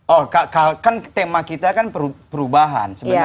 oh kan tema kita kan perubahan